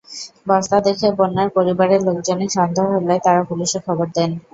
বস্তা দেখে বন্যার পরিবারের লোকজনের সন্দেহ হলে তাঁরা পুলিশে খবর দেন।